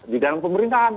di dalam pemerintahan